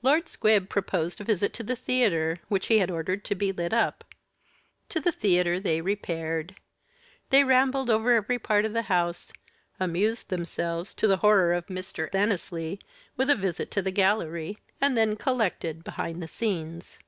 Lord Squib proposed a visit to the theatre, which he had ordered to be lit up. To the theatre they repaired. They rambled over every part of the house, amused themselves, to the horror of Mr. Annesley, with a visit to the gallery, and then collected behind the scenes.